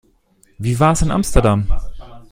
Wie war's in Amsterdam?